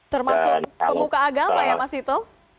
termasuk pemuka agama ya mas ito